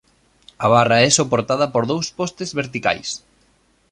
A barra é soportada por dous postes verticais.